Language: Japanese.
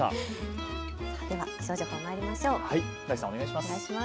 では気象情報、まいりましょう。